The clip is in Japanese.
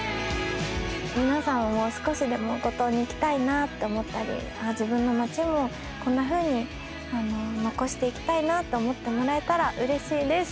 皆さんも少しでも五島に行きたいなって思ったり自分の街もこんなふうに残していきたいなと思ってもらえたらうれしいです。